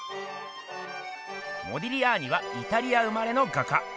モディリアーニはイタリア生まれの画家。